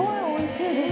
おいしい！